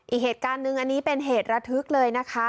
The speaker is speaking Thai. อีกเหตุการณ์หนึ่งอันนี้เป็นเหตุระทึกเลยนะคะ